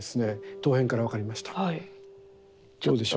陶片から分かりました。